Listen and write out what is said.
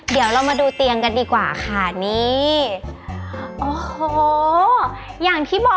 เดี๋ยวเรามาดูเตียงกันดีกว่าค่ะนี่